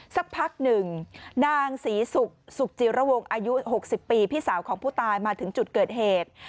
สักพักหนึ่งนางศรีสุขจิระวงอายุ๖๐ปีพี่สาวของผู้ตายมาถึงจุดเกิดเหตุ